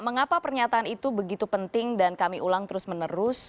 mengapa pernyataan itu begitu penting dan kami ulang terus menerus